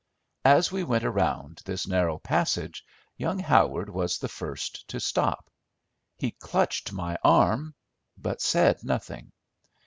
As we went around this narrow passage young Howard was the first to stop. He clutched my arm, but said nothing.